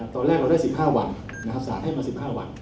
ตอนแรกเราได้สิบห้าวันนะครับสารให้มาสิบห้าวัน